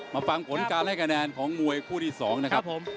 มาฟังผลการให้คะแนนของมวยคู่ที่๒นะครับผม